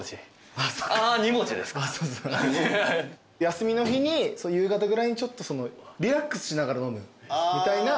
休みの日に夕方ぐらいにちょっとリラックスしながら飲むみたいな。